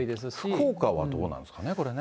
福岡はどうなんですかね、これね。